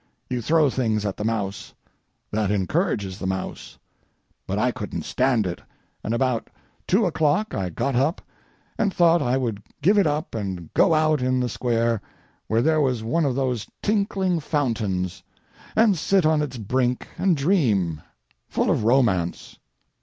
You throw things at the mouse. That encourages the mouse. But I couldn't stand it, and about two o'clock I got up and thought I would give it up and go out in the square where there was one of those tinkling fountains, and sit on its brink and dream, full of romance.